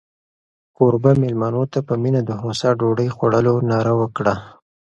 کوربه مېلمنو ته په مینه د هوسا ډوډۍ خوړلو ناره وکړه.